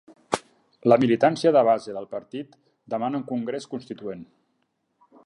La militància de base del partit demana un congrés constituent